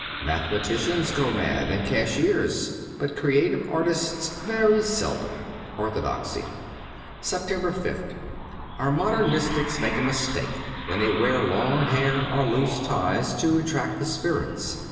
Mathematicians go mad, and cashiers, but creative artists very seldom. ^Orthodoxy.' 277 SEPTEMBER 5th OUR modern mystics make a mistake when they wear long hair or loose ties to attract the spirits.